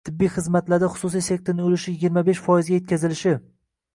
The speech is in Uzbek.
tibbiy xizmatlarda xususiy sektorning ulushi yigirma besh foizga yetkazilishi